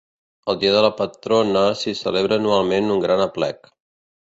El dia de la patrona s'hi celebra anualment un gran aplec.